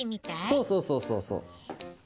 そうそうそうそうそう。